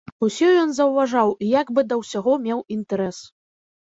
Усё ён заўважаў і як бы да ўсяго меў інтэрас.